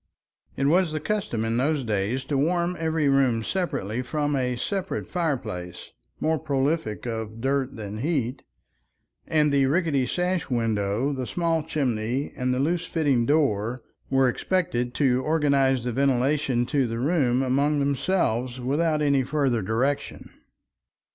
It was the custom in those days to warm every room separately from a separate fireplace, more prolific of dirt than heat, and the rickety sash window, the small chimney, and the loose fitting door were expected to organize the ventilation of the room among themselves without any further direction.